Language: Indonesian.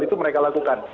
itu mereka lakukan